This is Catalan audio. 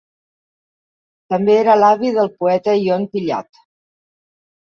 També era l'avi del poeta Ion Pillat.